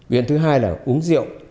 viện thứ hai là uống rượu